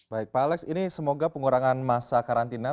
baik pak alex ini semoga pengurangan masa karantina